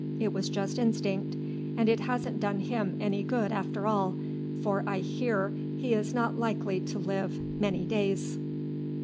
It was just instinct, and it hasn't done him any good after all, for I hear he is not likely to live many days."